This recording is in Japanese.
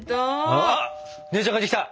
あっ姉ちゃん帰ってきた。